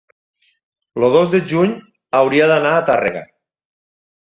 el dos de juny hauria d'anar a Tàrrega.